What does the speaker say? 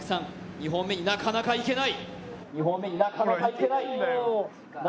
２本目になかなか行けない。